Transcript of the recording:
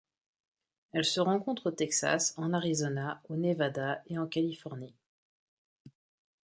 Elle se rencontre au Texas, en Arizona, au Nevada et en Californie.